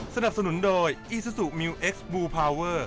สนับสนุนโดยอีซูซูมิวเอ็กซ์บลูพาวเวอร์